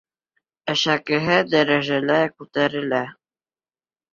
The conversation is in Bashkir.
Әшәкеһе дәрәжәлә күтәрелә.